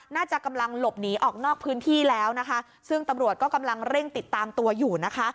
น่าจะกำลังหลบหนีออกนอกพื้นที่แล้วนะคะซึ่งตำรวจก็กำลังเร่งติดตามตัวอยู่นะคะ